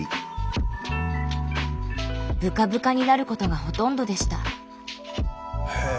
ブカブカになることがほとんどでした。